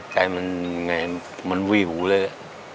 ใจมันอย่างไรมันวี่หูเลย